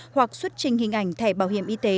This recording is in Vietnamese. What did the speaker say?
hoặc xuất trình hình ảnh thẻ bảo hiểm y tế